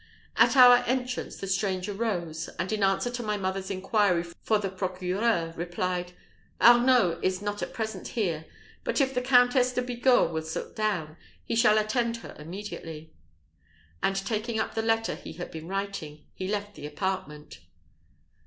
On our entrance, the stranger rose, and in answer to my mother's inquiry for the procureur, replied, "Arnault is not at present here; but if the Countess de Bigorre will sit down, he shall attend her immediately," and taking up the letter he had been writing, he left the apartment.